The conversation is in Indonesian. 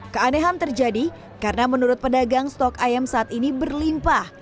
keanehan terjadi karena menurut pedagang stok ayam saat ini berlimpah